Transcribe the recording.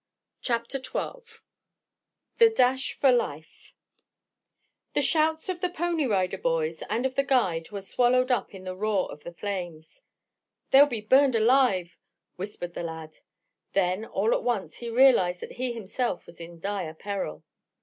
CHAPTER XII THE DASH FOR LIFE The shouts of the Pony Rider Boys and of the guide were swallowed up in the roar of the flames. "They'll be burned alive!" whispered the lad. Then, all at once he realized that he himself was in dire peril.